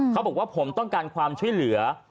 เขาบอกว่าผมต้องการความช่วยเหลือ